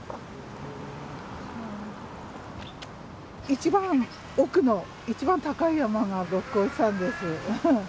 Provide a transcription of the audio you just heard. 一番奥の一番高い山が六角牛山です。